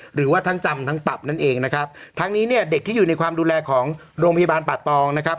หรือว่าทั้งจำทั้งปรับนั่นเองนะครับทั้งนี้เนี่ยเด็กที่อยู่ในความดูแลของโรงพยาบาลป่าตองนะครับ